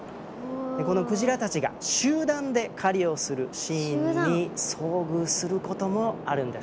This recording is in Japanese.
このクジラたちが集団で狩りをするシーンに遭遇することもあるんです。